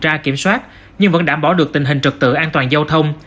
công an tp hcm đã kiểm soát nhưng vẫn đã bỏ được tình hình trực tự an toàn giao thông